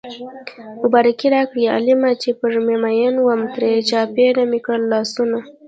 مبارکي راکړئ عالمه چې پرې مين وم ترې چاپېر مې کړل لاسونه